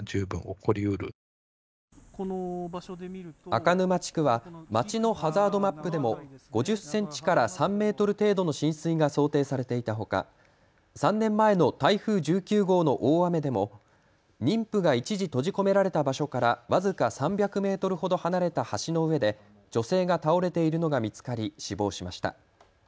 赤沼地区は町のハザードマップでも５０センチから３メートル程度の浸水が想定されていたほか３年前の台風１９号の大雨でも妊婦が一時、閉じ込められた場所から僅か３００メートルほど離れた橋の上で女性が倒れているのが見つかり死亡しました。